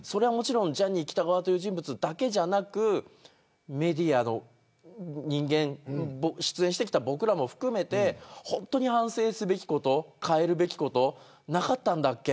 ジャニー喜多川という人物だけではなくメディアも出演してきた僕らも含めて本当に反省すべきこと変えることなかったんだっけ。